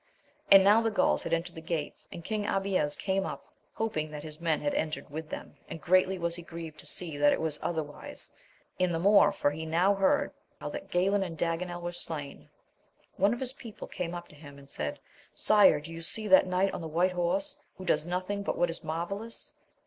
And now the Gauls had entered the gates, and King Abies came up, hoping that his men had entered with them, and greatly was he grieved to see that it was other wise, and the more for he now heard how that Galayn and Daganel were slain. One of his people came up to him, and said, Sire, do you see that knight on the white horse, who does nothing but what is marvellous